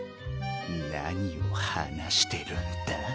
何を話してるんだ？